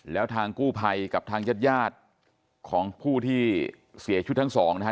แล้วทางกู้ภัยกับทางญาติญาติของผู้ที่เสียชีวิตทั้งสองนะฮะ